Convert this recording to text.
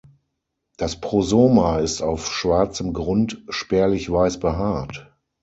Das Prosoma ist auf schwarzem Grund spärlich weiß behaart.